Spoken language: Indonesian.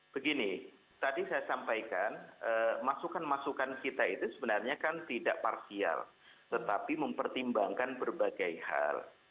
begini tadi saya sampaikan masukan masukan kita itu sebenarnya kan tidak parsial tetapi mempertimbangkan berbagai hal